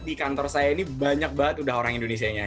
di kantor saya ini banyak banget udah orang indonesianya